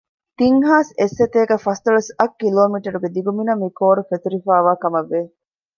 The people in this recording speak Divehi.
ތިން ހާސް އެއްސަތޭކަ ފަސްދޮޅަސް އަށް ކިލޯމީޓަރުގެ ދިގުމިނަށް މި ކޯރު ފެތުރިފައިވާ ކަމަށްވެ